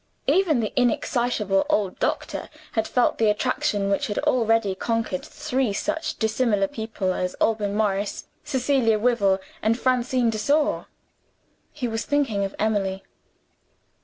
Even the inexcitable old doctor had felt the attraction which had already conquered three such dissimilar people as Alban Morris, Cecilia Wyvil, and Francine de Sor. He was thinking of Emily.